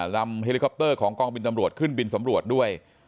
เฮลิคอปเตอร์ของกองบินตำรวจขึ้นบินสำรวจด้วย